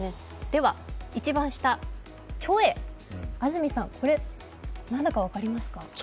では一番下、ちょえ、安住さんこれ何か分かりますか？